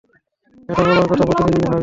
এটা বলার কথা প্রতিদিন ভাবি।